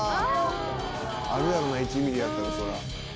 あるやろな１ミリやったらそら。